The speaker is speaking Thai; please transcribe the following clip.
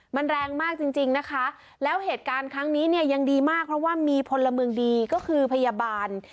มันแรงมากจริงจริงนะคะแล้วเหตุการณ์ครั้งนี้เนี่ยยังดีมากเพราะว่ามีพลเมืองดีก็คือพยาบาล